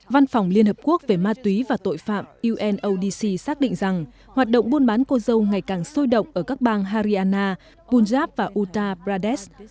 văn phòng liên hợp quốc về ma túy và tội phạm unodc xác định rằng hoạt động buôn bán cô dâu ngày càng sôi động ở các bang hariana bungab và utta pradesh